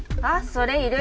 それいる？